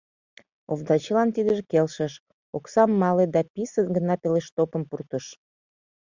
Овдачилан тидыже келшыш, оксам мале да писын гына пелштопым пуртыш.